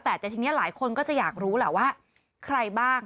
แต่จริงลายคนก็จะอยากรู้ล่ะว่าใครบ้าง